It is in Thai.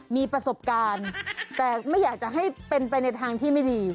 มีประสบการณ์แต่ไม่อยากจะให้เป็นไปในทางที่ไม่ดี